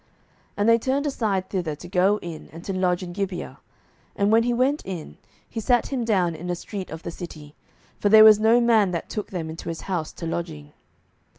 07:019:015 And they turned aside thither, to go in and to lodge in Gibeah: and when he went in, he sat him down in a street of the city: for there was no man that took them into his house to lodging.